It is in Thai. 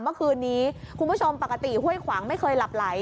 เมื่อคืนนี้คุณผู้ชมปกติห้วยขวางไม่เคยหลับไหล